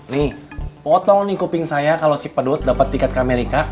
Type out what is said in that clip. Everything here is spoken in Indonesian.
nih potong nih kuping saya kalo si pedut dapet tiket ke amerika